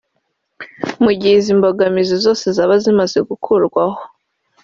Mu gihe izi mbogamizi zoze zaba zimaze gukurwaho